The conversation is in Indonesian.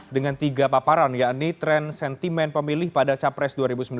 dengan tiga paparan yakni tren sentimen pemilih pada capres dua ribu sembilan belas